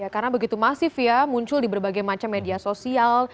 karena begitu masif ya muncul di berbagai macam media sosial